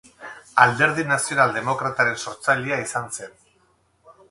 Alderdi Nazional Demokrataren sortzailea izan zen.